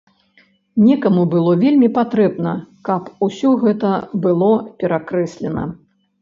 Некаму было вельмі патрэбна, каб усё гэта было перакрэслена.